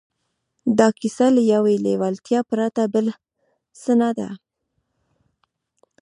دا کیسه له یوې لېوالتیا پرته بل څه نه ده